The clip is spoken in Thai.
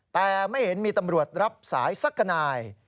แต่ไม่เห็นมีตำรวจรับสายสักกระนาย